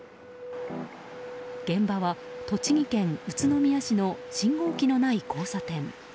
現場は、栃木県宇都宮市の信号機のない交差点。